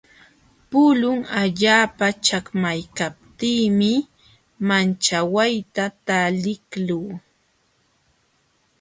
Pulun allpata chakmaykaptiimi machawayta taliqluu.